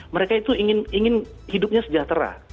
mereka itu ingin hidupnya sejahtera